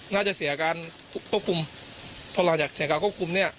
น่าจะเสียการควบคุมพอหลังจากเสียการควบคุมเนี่ย